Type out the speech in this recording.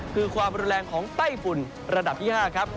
คือความรุนแรงของไต้ฝุ่นระดับที่๕ครับ